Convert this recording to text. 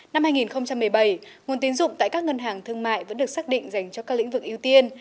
năm hai nghìn một mươi bảy nguồn tín dụng tại các ngân hàng thương mại vẫn được xác định dành cho các lĩnh vực ưu tiên